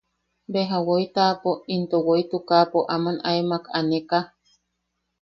Beja woi taʼapo into woi tukapo aman aemak aneka.